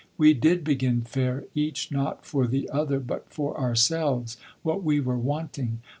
We did begin fair, each not for the other but for ourselves, what we were wanting.